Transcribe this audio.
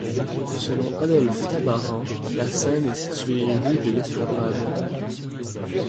Selon Adolphe Tabarant, la scène est située rue de l'Estrapade.